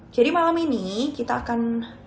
jadi malam ini kita akan